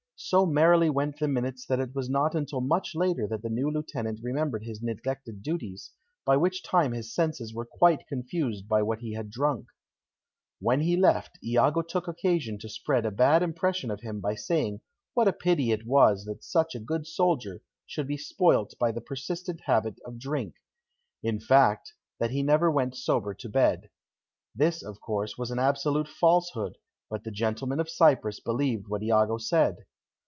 So merrily went the minutes that it was not until much later that the new lieutenant remembered his neglected duties, by which time his senses were quite confused by what he had drunk. When he left, Iago took occasion to spread a bad impression of him by saying what a pity it was that such a good soldier should be spoilt by the persistent habit of drink in fact, that he never went sober to bed. This, of course, was an absolute falsehood, but the gentlemen of Cyprus believed what Iago said.